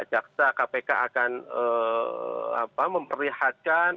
jaksa kpk akan memperlihatkan akan menghadirkan